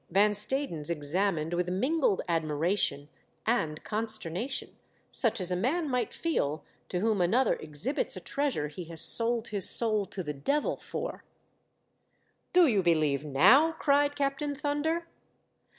Van Stadens examined with minMed admiration and consternation, such as a man might feel to whom another exhibits a treasure he has sold his scu\ to the Devil for. "Do you believe now!" cried Captain Thunder.